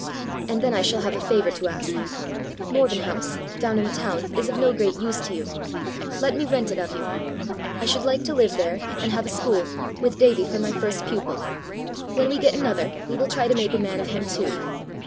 And then I shall have a favour to ask: Morven House, down in the town, is of no great use to you: let me rent it of you. I should like to live there and have a school, with Davie for my first pupil. When we get another, we will try to make a man of him too.